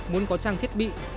muốn có trang thiết bị